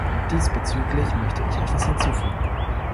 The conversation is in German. Diesbezüglich möchte ich etwas hinzufügen.